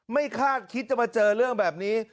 คาดคิดจะมาเจอเรื่องแบบนี้